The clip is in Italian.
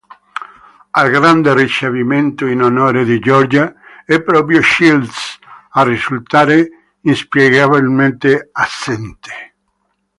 Al grande ricevimento in onore di Georgia, è proprio Shields a risultare inspiegabilmente assente.